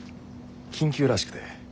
緊急らしくて。